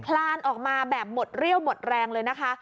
ลานออกมาแบบหมดเรี่ยวหมดแรงเลยนะคะ